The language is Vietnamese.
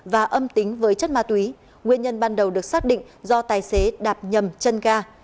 và âm tính với chất ma túy nguyên nhân ban đầu được xác định do tài xế đạp nhầm chân ga